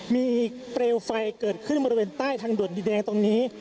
มีเปลวไฟเกิดขึ้นบริเวณใต้ทางด่วนดินแดงตรงนี้